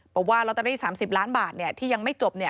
บอกว่าลอตเตอรี่๓๐ล้านบาทที่ยังไม่จบ